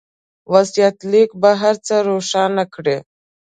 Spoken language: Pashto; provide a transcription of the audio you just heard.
وصيت ليک به هر څه روښانه کړي.